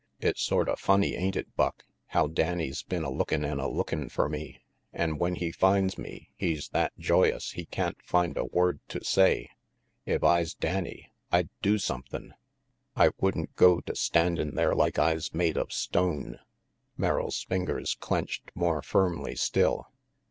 "It's sorta funny, ain't it, Buck, how Danny's been a lookin' an' a lookin' fer me, an' when he finds me he's that joyous he can't find a word to say? If I's Danny, I'd do sumthin'. I would'n go to standin' there like I's made of stone." Merrill's fingers clenched more firmly still.